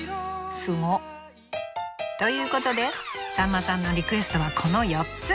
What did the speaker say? すごっ。ということでさんまさんのリクエストはこの４つ。